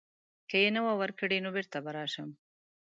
که یې نه وه ورکړې نو بیرته به راشم.